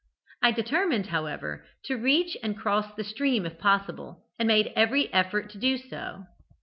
I determined, however, to reach and cross the stream if possible, and made every effort to do so.